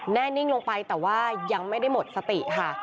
แน่นิ่งลงไปแต่ว่ายังไม่ได้หมดสติค่ะ